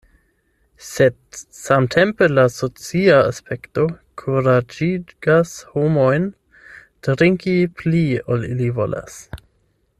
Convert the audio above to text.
Sed samtempe, la socia aspekto kuraĝigas homojn drinki pli ol ili volas.